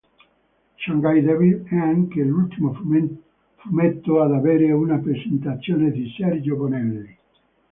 Shanghai Devil è anche l'ultimo fumetto ad avere una presentazione di Sergio Bonelli